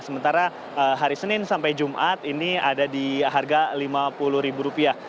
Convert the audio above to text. sementara hari senin sampai jumat ini ada di harga lima puluh ribu rupiah